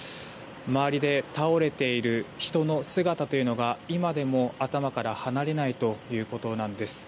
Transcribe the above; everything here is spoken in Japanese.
周りで倒れている人の姿が今でも、頭から離れないということなんです。